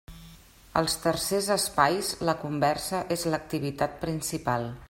Als tercers espais la conversa és l'activitat principal.